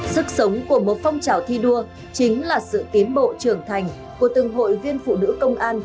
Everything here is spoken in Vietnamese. sức sống của một phong trào thi đua chính là sự tiến bộ trưởng thành của từng hội viên phụ nữ công an